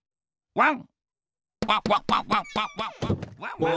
ワン！